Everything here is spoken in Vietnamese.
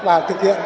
và thực hiện